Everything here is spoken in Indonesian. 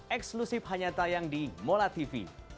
eksklusif hanya tayang di mola tv